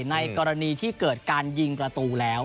ในกรณีที่เกิดการยิงประตูแล้ว